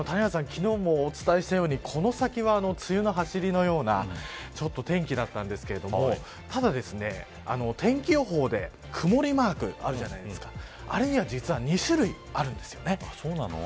昨日もお伝えしたようにこの先は梅雨のはしりのような天気だったんですけれどもただ、天気予報で曇りマークあるじゃないですかあれには実は２種類あるんですよね。